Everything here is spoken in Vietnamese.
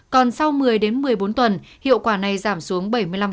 còn sau một mươi đến một mươi bốn tuần hiệu quả này giảm xuống bảy mươi năm